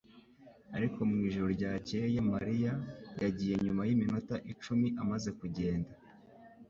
ariko mwijoro ryakeye Mariya yagiye nyuma yiminota icumi amaze kugenda